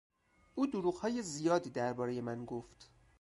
او دروغهای زیادی دربارهی من گفت.